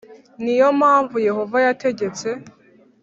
Ni yo mpamvu Yehova yategetse